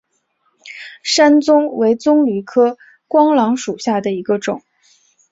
山棕为棕榈科桄榔属下的一个种。